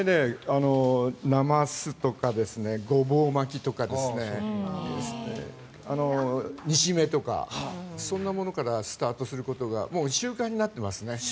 なますとかごぼう巻きとか煮しめとか、そういうものからスタートすることがもう習慣になってますね。